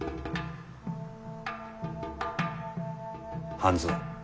半蔵。